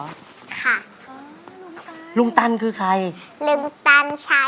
ลุงตันลุงตันคือใครลุงตันชาเขียว